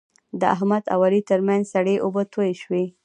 د احمد او علي ترمنځ سړې اوبه تویې شوې.